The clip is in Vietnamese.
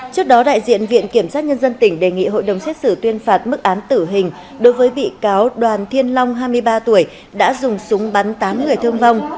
trước đó đại diện viện kiểm sát nhân dân tỉnh đề nghị hội đồng xét xử tuyên phạt mức án tử hình đối với bị cáo đoàn thiên long hai mươi ba tuổi đã dùng súng bắn tám người thương vong